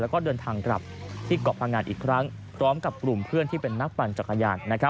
แล้วก็เดินทางกลับที่เกาะพังงานอีกครั้งพร้อมกับกลุ่มเพื่อนที่เป็นนักปั่นจักรยาน